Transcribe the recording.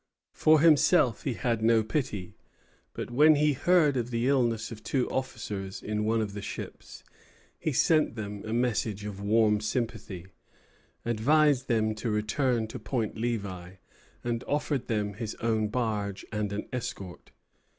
For himself he had no pity; but when he heard of the illness of two officers in one of the ships, he sent them a message of warm sympathy, advised them to return to Point Levi, and offered them his own barge and an escort.